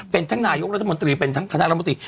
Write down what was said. เป็นทั้งนายกรัฐมนตรีเป็นทั้งคณะรัฐมนตรี